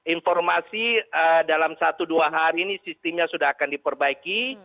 informasi dalam satu dua hari ini sistemnya sudah akan diperbaiki